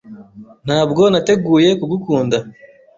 Ntabwo nateguye kugukunda